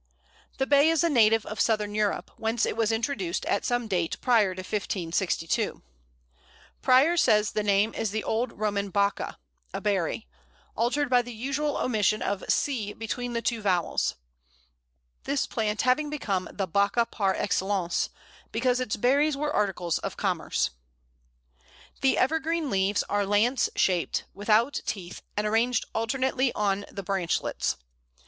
The Bay is a native of Southern Europe, whence it was introduced at some date prior to 1562. Prior says the name is the old Roman bacca (a berry), altered "by the usual omission of 'c' between the two vowels," this plant having become the bacca par excellence, because its berries were articles of commerce. [Illustration: Bay. A, flower; B, fruit.] The evergreen leaves are lance shaped, without teeth, and arranged alternately on the branchlets.